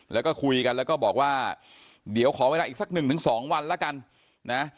แล้วก็คุยกันแล้วก็บอกว่าเดี๋ยวขอเวลาอีกสักหนึ่งถึงสองวันแล้วกันนะ